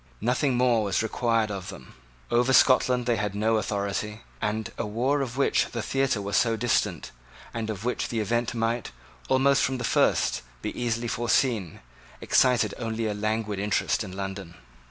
Nothing more was required of them. Over Scotland they had no authority; and a war of which the theatre was so distant, and of which the event might, almost from the first, be easily foreseen, excited only a languid interest in London.